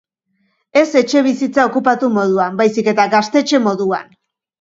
Ez etxebizitza okupatu moduan baizik eta Gaztetxe moduan.